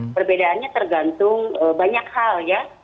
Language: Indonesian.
perbedaannya tergantung banyak hal ya